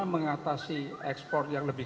mengatasi ekspor yang lebih